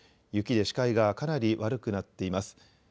雪で視界がかなり悪くなっています。